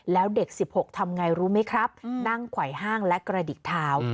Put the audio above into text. แล้วเด็ก๑๖ทำไงรู้ไหมครับนั่งไขว่ห้างและกระดิกเท้า